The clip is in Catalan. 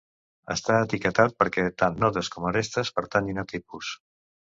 Està etiquetat perquè tant nodes com arestes pertanyen a tipus.